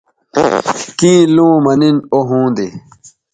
کیں لوں مہ نن او ھوندے